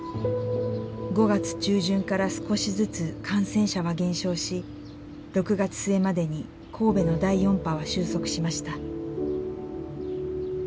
５月中旬から少しずつ感染者は減少し６月末までに神戸の第４波は収束しました。